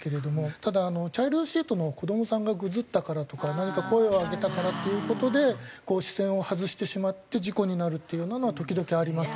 ただチャイルドシートの子どもさんがぐずったからとか何か声を上げたからっていう事でこう視線を外してしまって事故になるっていうのは時々あります。